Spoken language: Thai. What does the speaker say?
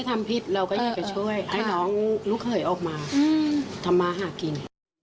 ทำมาหากิน